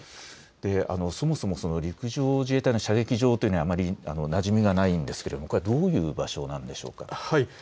そもそも陸上自衛隊の射撃場というのはあまりなじみがないんですがどういう場所なんでしょうか。